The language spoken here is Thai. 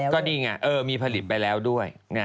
ก็ดีไงมีผลิตไปแล้วด้วย